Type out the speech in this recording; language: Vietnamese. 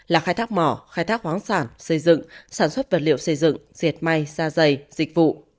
là khai thác mỏ khai thác khoáng sản xây dựng sản xuất vật liệu xây dựng diệt may da dày dịch vụ